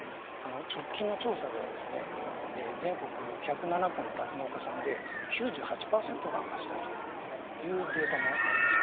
直近の調査では全国１０７戸の酪農家さんで９８％が赤字だというデータもあります。